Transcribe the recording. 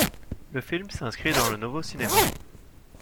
Le film s'inscrit dans le Novo Cinema.